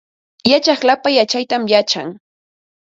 Yachaq lapa yachaytam yachan